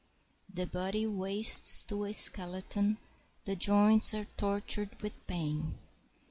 The body wastes to a skeleton, the joints are tortured with pain.